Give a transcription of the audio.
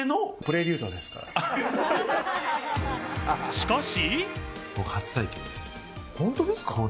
しかし。